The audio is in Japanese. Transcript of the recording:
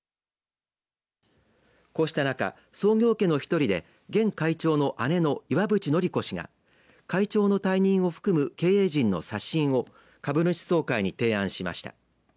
こうした中、創業家の１人で現会長の姉の岩渕典子氏が会長の退任含む経営陣の刷新を株主総会に提案しました。